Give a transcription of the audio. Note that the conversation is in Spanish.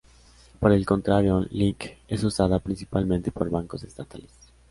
Por el contrario, Link es usada principalmente por bancos estatales.